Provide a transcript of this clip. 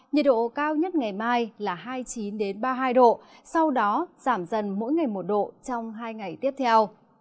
nhiệt độ cao nhất ngày mai là hai mươi chín ba mươi hai độ sau đó giảm dần mỗi ngày một độ trong hai ngày tiếp theo